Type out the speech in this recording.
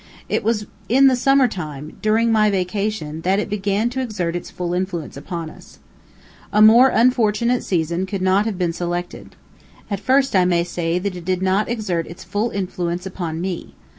It was in the summer time, during my vacation, that it began to exert its full influence upon us. A more unfortunate season could not have been selected. At first, I may say that it did not exert its full influence upon me.